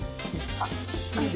あっ。